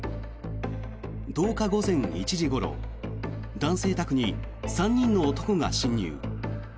１０日午前１時ごろ男性宅に３人の男が侵入。